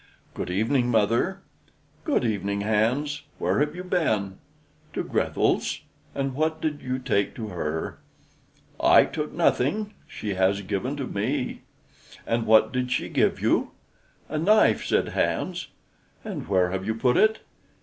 "Good evening, mother." "Good evening, Hans. Where have you been?" "To Grethel's." "And what did you take to her?" "I took nothing; she has given to me." "And what did she give you?" "A knife," said Hans. "And where have you put it?"